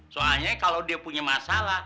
soalnya kalau dia punya masalah